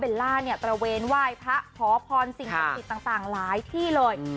เบลล่าเนี่ยตระเวนว่ายพระขอพรสิ่งศักดิ์ต่างหลายที่เลย